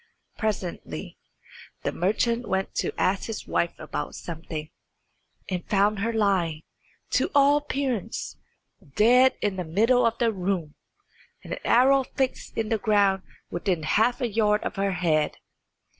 Presently the merchant went to ask his wife about something, and found her lying, to all appearance, dead in the middle of the room, and an arrow fixed in the ground within half a yard of her head.